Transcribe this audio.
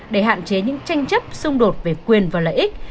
để hạn chế những tranh chấp xung đột về quyền và lợi ích